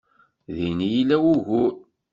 Din i yella wugur.